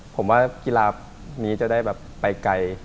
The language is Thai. ผมว่ากีฬานี้จะได้แบบไปไกล